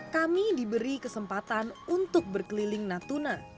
kami diberi kesempatan untuk berkeliling natuna